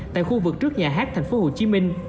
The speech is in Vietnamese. tại khu vực trước nhà hát tp hcm